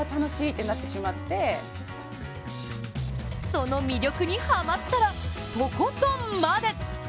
その魅力にハマったらとことんまで。